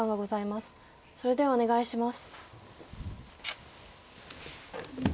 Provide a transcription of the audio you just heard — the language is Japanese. それではお願いします。